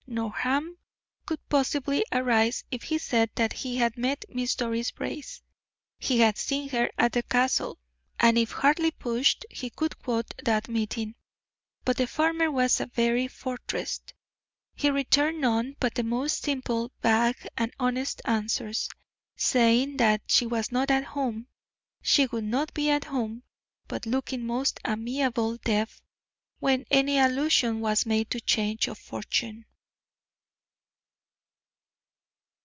No harm could possibly arise if he said that he had met Miss Doris Brace; he had seen her at the Castle; and if hardly pushed he could quote that meeting. But the farmer was a very fortress he returned none but the most simple, vague, and honest answers, saying that she was not at home, she would not be at home, but looking most amiably deaf when any allusion was made to change of fortune.